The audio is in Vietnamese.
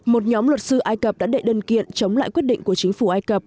một nhóm luật sư ai cập đã đệ đơn kiện chống lại quyết định của chính phủ ai cập